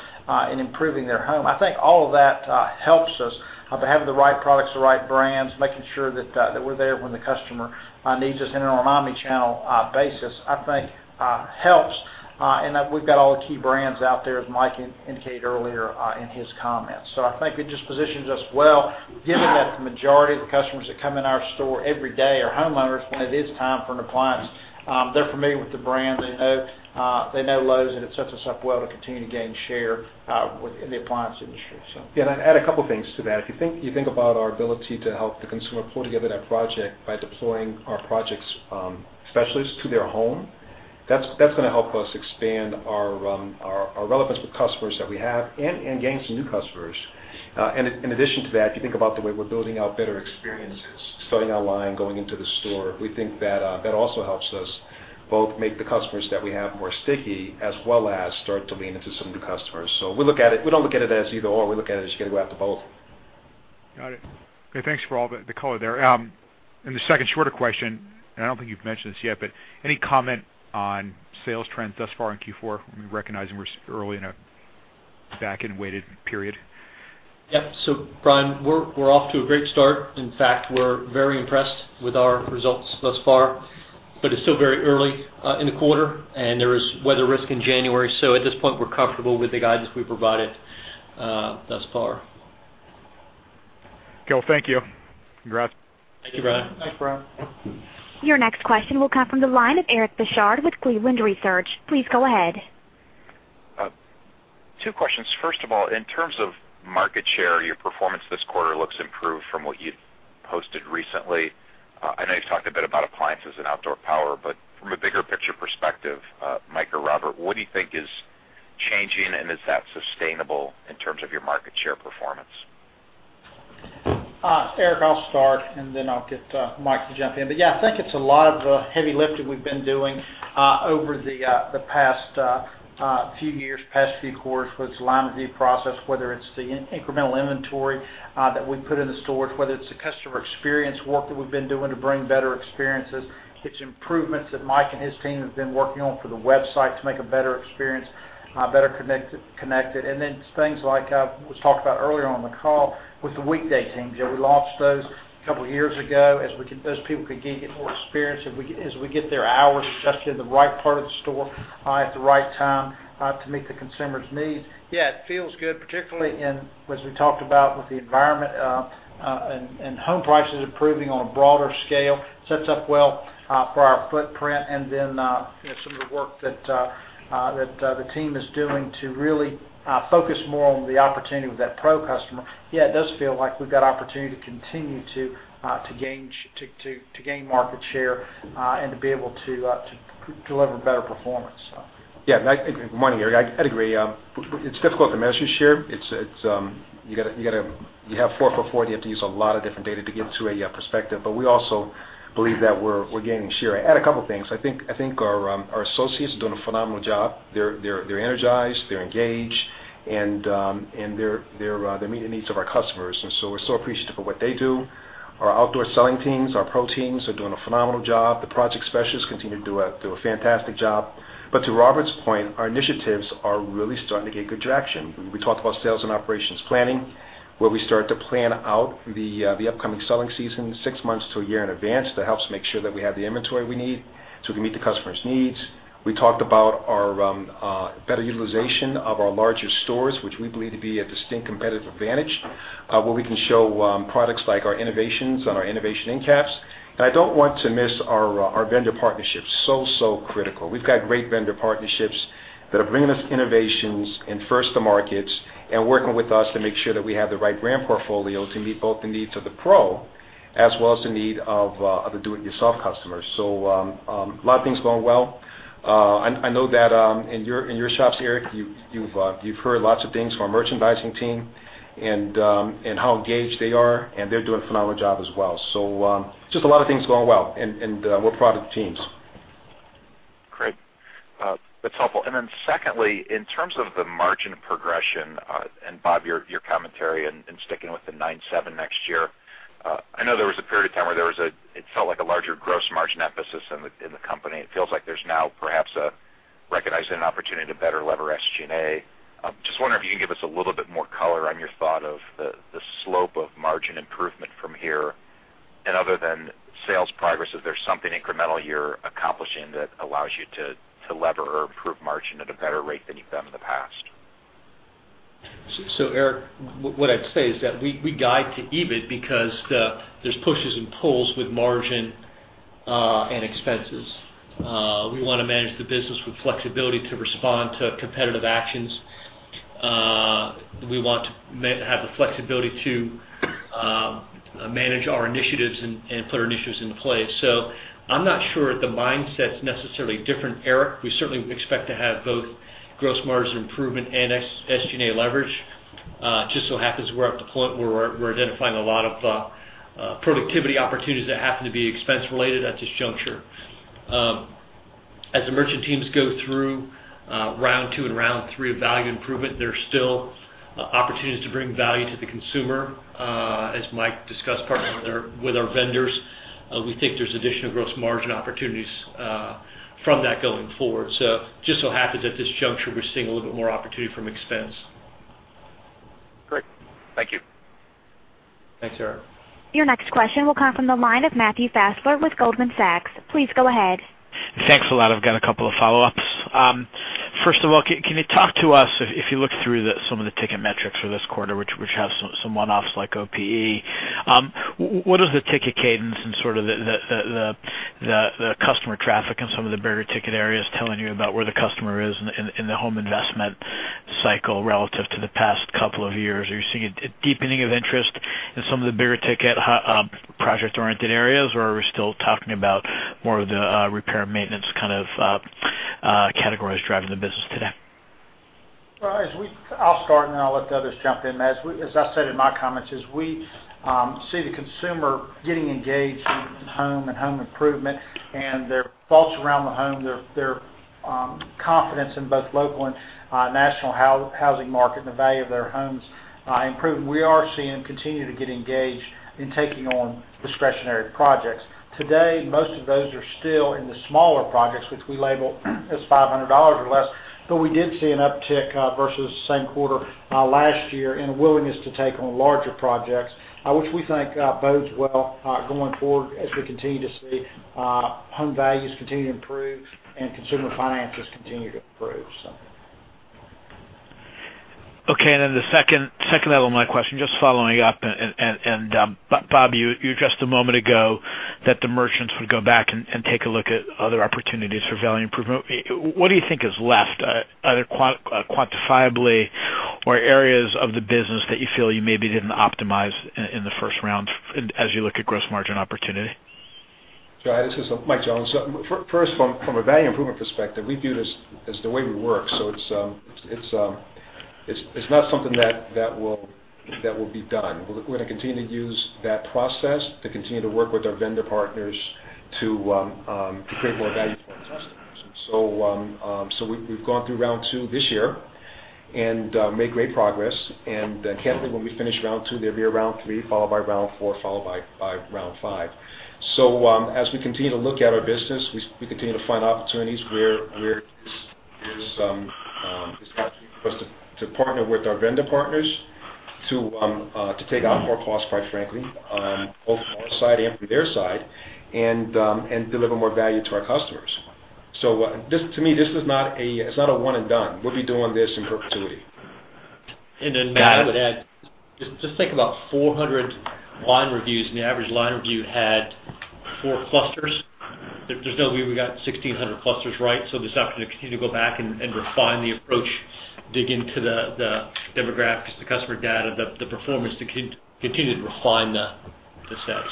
in improving their home. I think all of that helps us by having the right products, the right brands, making sure that we're there when the customer needs us and on an omni-channel basis, I think helps. That we've got all the key brands out there, as Mike indicated earlier in his comments. I think it just positions us well, given that the majority of the customers that come in our store every day are homeowners when it is time for an appliance. They're familiar with the brand. They know Lowe's, and it sets us up well to continue to gain share in the appliance industry, so. Yeah, I'd add a couple things to that. If you think about our ability to help the consumer pull together that project by deploying our project specialists to their home, that's going to help us expand our relevance with customers that we have and gain some new customers. In addition to that, if you think about the way we're building out better experiences, starting online, going into the store, we think that also helps us both make the customers that we have more sticky as well as start to lean into some new customers. We don't look at it as either/or. We look at it as you got to go after both. Got it. Okay, thanks for all the color there. The second shorter question, and I don't think you've mentioned this yet, but any comment on sales trends thus far in Q4, recognizing we're early in a back-end weighted period? Yeah. Brian, we're off to a great start. In fact, we're very impressed with our results thus far, but it's still very early in the quarter, and there is weather risk in January. At this point, we're comfortable with the guidance we provided thus far. Cool. Thank you. Congrats. Thank you, Brian. Thanks, Brian. Your next question will come from the line of Eric Bosshard with Cleveland Research. Please go ahead. Two questions. First of all, in terms of market share, your performance this quarter looks improved from what you've posted recently. I know you've talked a bit about appliances and outdoor power, but from a bigger picture perspective, Mike or Robert, what do you think is changing, and is that sustainable in terms of your market share performance? Eric, I'll start, and then I'll get Mike to jump in. Yeah, I think it's a lot of the heavy lifting we've been doing over the past few years, past few quarters, whether it's the line review process, whether it's the incremental inventory that we put in the stores, whether it's the customer experience work that we've been doing to bring better experiences. It's improvements that Mike and his team have been working on for the website to make a better experience, better connected. Then things like was talked about earlier on the call with the weekday teams. We launched those a couple years ago as those people could gain, get more experience as we get their hours adjusted in the right part of the store at the right time to meet the consumer's needs. Yeah, it feels good, particularly in, as we talked about with the environment and home prices improving on a broader scale, sets up well for our footprint and then some of the work that the team is doing to really focus more on the opportunity with that pro customer. Yeah, it does feel like we've got opportunity to continue to gain market share and to be able to deliver better performance. Yeah. Good morning, Eric. I'd agree. It's difficult to measure share. You have to use a lot of different data to get to a perspective. We also believe that we're gaining share. I'd add a couple things. I think our associates are doing a phenomenal job. They're energized. They're engaged. They're meeting the needs of our customers. We're so appreciative of what they do. Our outdoor selling teams, our pro teams, are doing a phenomenal job. The project specialists continue to do a fantastic job. To Robert's point, our initiatives are really starting to gain good traction. We talked about sales and operations planning, where we start to plan out the upcoming selling season 6 months to 1 year in advance. That helps make sure that we have the inventory we need, so we can meet the customer's needs. We talked about our better utilization of our larger stores, which we believe to be a distinct competitive advantage, where we can show products like our innovations on our innovation end caps. I don't want to miss our vendor partnerships. So, so critical. We've got great vendor partnerships that are bringing us innovations in first to markets and working with us to make sure that we have the right brand portfolio to meet both the needs of the pro as well as the need of the do-it-yourself customers. A lot of things going well. I know that in your shops, Eric, you've heard lots of things from our merchandising team and how engaged they are, and they're doing a phenomenal job as well. Just a lot of things going well, and we're proud of the teams. Great. That's helpful. Secondly, in terms of the margin progression, Bob, your commentary and sticking with the 9.7 next year, I know there was a period of time where it felt like a larger gross margin emphasis in the company. It feels like there's now perhaps recognizing an opportunity to better lever SG&A. Just wondering if you can give us a little bit more color on your thought of the slope of margin improvement from here, and other than sales progress, is there something incremental you're accomplishing that allows you to lever or improve margin at a better rate than you've done in the past? Eric, what I'd say is that we guide to EBIT because there's pushes and pulls with margin and expenses. We want to manage the business with flexibility to respond to competitive actions. We want to have the flexibility to manage our initiatives and put our initiatives into place. I'm not sure if the mindset's necessarily different, Eric. We certainly expect to have both gross margin improvement and SG&A leverage. It just so happens we're at the point where we're identifying a lot of productivity opportunities that happen to be expense related at this juncture. As the merchant teams go through round 2 and round 3 of value improvement, there's still opportunities to bring value to the consumer. As Mike discussed, partnering with our vendors, we think there's additional gross margin opportunities from that going forward. It just so happens at this juncture, we're seeing a little bit more opportunity from expense. Great. Thank you. Thanks, Eric. Your next question will come from the line of Matthew Fassler with Goldman Sachs. Please go ahead. Thanks a lot. I've got a couple of follow-ups. Can you talk to us, if you look through some of the ticket metrics for this quarter, which have some one-offs like OPE. What is the ticket cadence and sort of the customer traffic in some of the bigger ticket areas telling you about where the customer is in the home investment cycle relative to the past couple of years? Are you seeing a deepening of interest in some of the bigger ticket project-oriented areas, or are we still talking about more of the repair and maintenance kind of categories driving the business today? Well, I'll start, and then I'll let the others jump in. As I said in my comments, as we see the consumer getting engaged in home and home improvement and their thoughts around the home, their confidence in both local and national housing market and the value of their homes improving. We are seeing them continue to get engaged in taking on discretionary projects. Today, most of those are still in the smaller projects, which we label as $500 or less, but we did see an uptick versus the same quarter last year in a willingness to take on larger projects, which we think bodes well going forward as we continue to see home values continue to improve and consumer finances continue to improve. Okay, the second level of my question, just following up, Bob, you addressed a moment ago that the merchants would go back and take a look at other opportunities for value improvement. What do you think is left, either quantifiably or areas of the business that you feel you maybe didn't optimize in the first round as you look at gross margin opportunity? Go ahead. This is Mike Jones. First, from a value improvement perspective, we view this as the way we work. It's not something that will be done. We're going to continue to use that process to continue to work with our vendor partners to create more value for our customers. We've gone through round 2 this year and made great progress. Candidly, when we finish round 2, there'll be a round 3, followed by round 4, followed by round 5. As we continue to look at our business, we continue to find opportunities where it's an opportunity for us to partner with our vendor partners to take out more costs, quite frankly, both from our side and from their side, and deliver more value to our customers. To me, this is not a one and done. We'll be doing this in perpetuity. Matt, I would add, just think about 400 line reviews, and the average line review had four clusters. There's no way we got 1,600 clusters right. There's opportunity to continue to go back and refine the approach, dig into the demographics, the customer data, the performance to continue to refine the steps.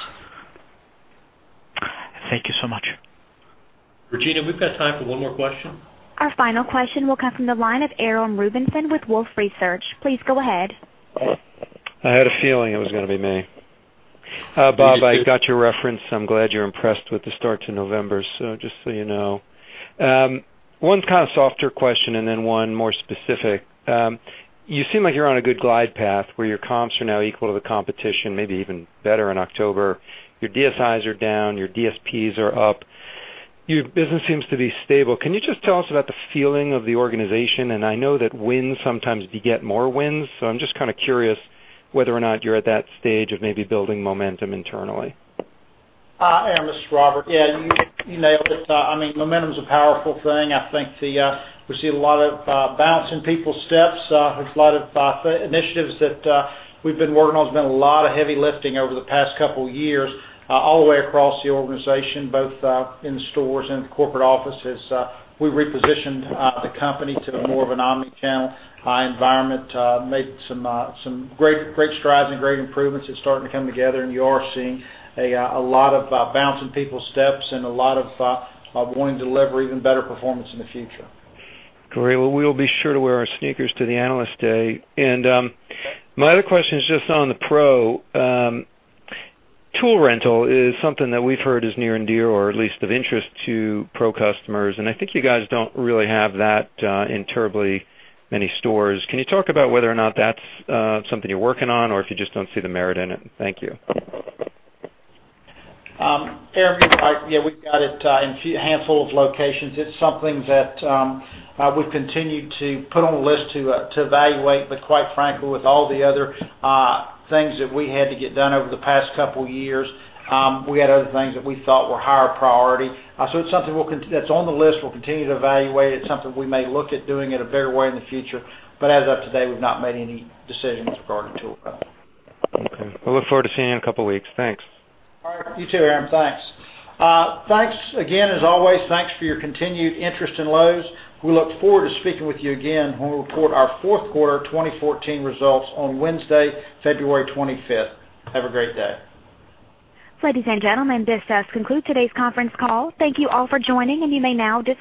Thank you so much. Regina, we've got time for one more question. Our final question will come from the line of Aram Rubinson with Wolfe Research. Please go ahead. I had a feeling it was going to be me Bob, I got your reference. I'm glad you're impressed with the start to November. Just so you know. One kind of softer question and then one more specific. You seem like you're on a good glide path where your comps are now equal to the competition, maybe even better in October. Your DSIs are down, your DSPs are up. Your business seems to be stable. Can you just tell us about the feeling of the organization? I know that wins sometimes beget more wins, I'm just kind of curious whether or not you're at that stage of maybe building momentum internally. Aram, this is Robert. Yeah, you nailed it. Momentum's a powerful thing. I think we see a lot of bounce in people's steps. There's a lot of initiatives that we've been working on. There's been a lot of heavy lifting over the past couple of years all the way across the organization, both in the stores and the corporate offices. We repositioned the company to more of an omni-channel environment, made some great strides and great improvements that's starting to come together. You are seeing a lot of bounce in people's steps and a lot of wanting to deliver even better performance in the future. Great. Well, we will be sure to wear our sneakers to the Analyst Day. My other question is just on the pro. Tool rental is something that we've heard is near and dear or at least of interest to pro customers, and I think you guys don't really have that in terribly many stores. Can you talk about whether or not that's something you're working on or if you just don't see the merit in it? Thank you. Aram, yeah, we've got it in a handful of locations. It's something that we've continued to put on the list to evaluate. Quite frankly, with all the other things that we had to get done over the past couple of years, we had other things that we thought were higher priority. It's something that's on the list. We'll continue to evaluate. It's something we may look at doing in a better way in the future. As of today, we've not made any decisions regarding tool rental. Okay. I look forward to seeing you in a couple of weeks. Thanks. All right. You too, Aram. Thanks. Thanks again as always. Thanks for your continued interest in Lowe's. We look forward to speaking with you again when we report our fourth quarter 2014 results on Wednesday, February 25th. Have a great day. Ladies and gentlemen, this does conclude today's conference call. Thank you all for joining, and you may now disconnect.